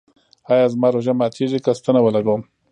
ایا زما روژه ماتیږي که ستنه ولګوم؟